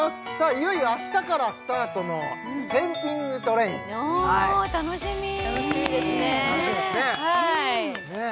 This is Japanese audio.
いよいよ明日からスタートの「ペンディングトレイン」おお楽しみ楽しみですねえ